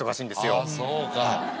ああそうか。